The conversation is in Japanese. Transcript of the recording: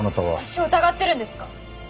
私を疑ってるんですか？